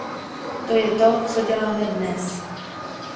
To je to, co děláme dnes.